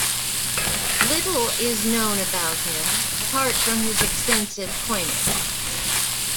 Little is known about him, apart from his extensive coinage.